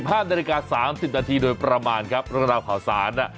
๑๕นาฬิกา๓๐นาทีโดยประมาณครับโรงเรียนราวข่าวสารนะ